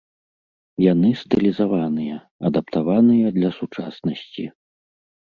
Яны стылізаваныя, адаптаваныя для сучаснасці.